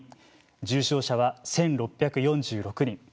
重症者は１６４６人。